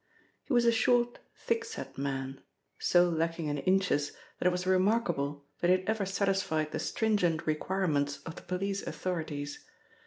He was a short, thick set man, so lacking in inches that it was remarkable that he had ever satisfied the stringent requirements of the police authorities.